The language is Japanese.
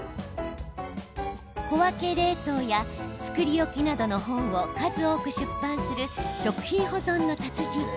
小分け冷凍や作り置きなどの本を数多く出版する食品保存の達人。